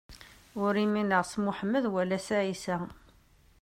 Ur umineɣ s Muḥemmed wala s Ɛisa.